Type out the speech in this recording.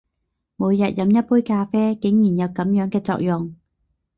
每天飲一杯咖啡，竟然有噉樣嘅作用！